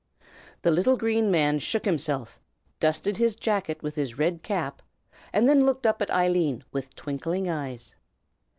The little Green Man shook himself, dusted his jacket with his red cap, and then looked up at Eileen with twinkling eyes.